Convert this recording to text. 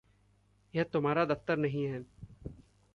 यह तुम्हारा दफ्तर नहीं है।